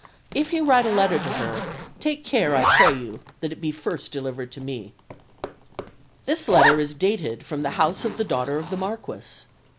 If you write a letter to her, take care, I pray you, that it be first delivered to me." The letter is dated from the house of the daughter of the Marquis.